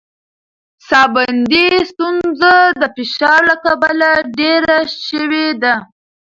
ساه بندي ستونزه د فشار له کبله ډېره شوې ده.